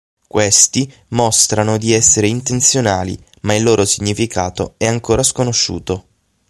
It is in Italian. Questi mostrano di essere intenzionali, ma il loro significato è ancora sconosciuto.